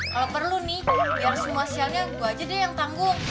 kalau perlu nih biar semua selnya gue aja deh yang tangguh